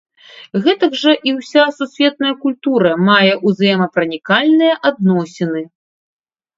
Гэтак жа і ўся сусветная культура мае ўзаемапранікальныя адносіны.